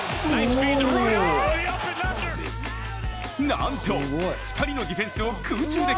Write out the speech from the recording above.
なんと２人のディフェンスを空中で